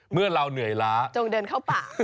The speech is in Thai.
เมื่อเราเหนื่อยล้าจงเดินเข้าป่า